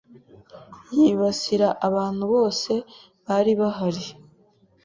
yibasira abantu bose bari bahari